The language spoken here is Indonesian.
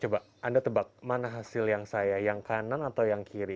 coba anda tebak mana hasil yang saya yang kanan atau yang kiri